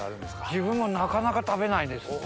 自分もなかなか食べないです。